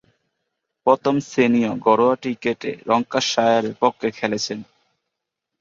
প্রথম-শ্রেণীর ঘরোয়া ক্রিকেটে ল্যাঙ্কাশায়ারের পক্ষে খেলেছেন।